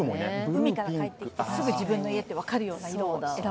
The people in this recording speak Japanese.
海から帰ってきて、すぐ自分の家って分かるように。